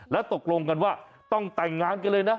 แล้วตกลงกันว่าต้องแต่งงานกันเลยนะ